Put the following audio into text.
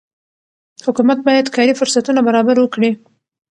حکومت باید کاري فرصتونه برابر وکړي.